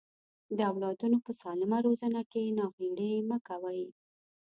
د اولادونو په سالمه روزنه کې ناغيړي مکوئ.